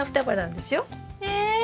え？